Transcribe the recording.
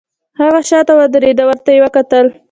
هغه شاته ودریده او ورته یې وکتل